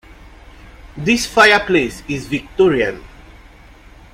This fireplace is Victorian.